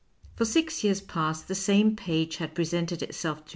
'" For six years past the same page had presented itself to M.